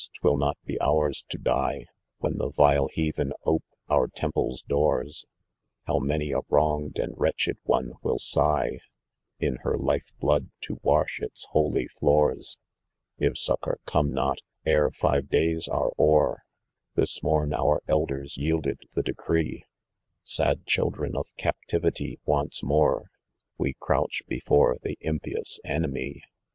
twill not be ours to die, "When the Tile heathen ope our temple's doow, Hew many a wronged and wretched one will sigh, In her life blood, to wash its holy floors. w If succour come not, ere fire days are o'er, This morn our elders yielded the decree, Sad children of captivity once more, We crouch before the impious enemy.